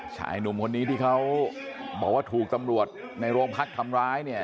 ชายหนุ่มคนนี้ที่เขาบอกว่าถูกตำรวจในโรงพักทำร้ายเนี่ย